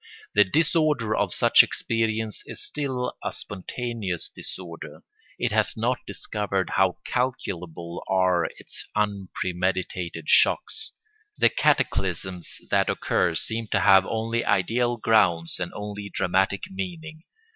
The disorder of such experience is still a spontaneous disorder; it has not discovered how calculable are its unpremeditated shocks. The cataclysms that occur seem to have only ideal grounds and only dramatic meaning.